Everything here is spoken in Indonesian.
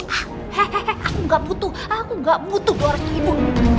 he he he aku gak butuh aku gak butuh doa ke ibu